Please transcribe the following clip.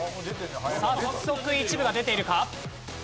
さあ早速一部が出ているか？